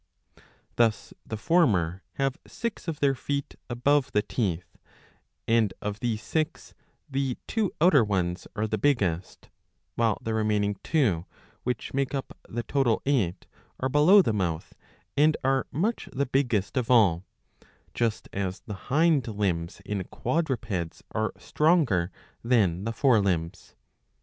^ Thus the former have six of their feet above the teeth, and of these six the two outer ones are the biggest ; while the remaining two, which make up the total eight, are below the mouth and are much the biggest of all, just as the hind limbs in quadrupeds are stronger than the fore Hmbs.